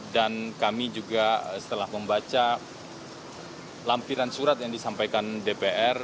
dan kami juga setelah membaca lampiran surat yang disampaikan dpr